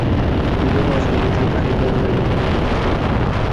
তিনি Banu Asad গোত্রের Kahil বংশের একজন স্বাধীন ব্যক্তি ছিলেন।